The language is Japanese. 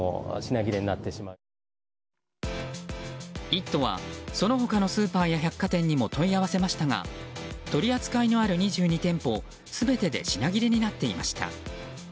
「イット！」はその他のスーパーや百貨店にも問い合わせましたが取り扱いのある２２店舗全てで品切れになっていました。